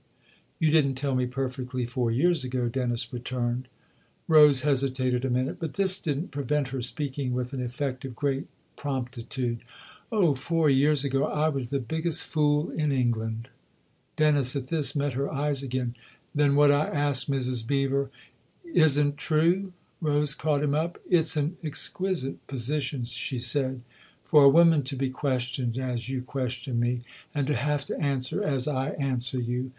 "You didn't tell me perfectly four years ago," Dennis returned. Rose hesitated a minute ; but this didn't prevent her speaking with an effect of great promptitude. " Oh, four years ago I was the biggest fool in England !" Dennis, at this, met her eyes again. " Then what I asked Mrs. Beever "" Isn't true ?" Rose caught him up. " It's an exquisite position," she said, " for a woman to be questioned as you question me, and to have to answer as I answer you.